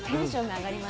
上がりますよ。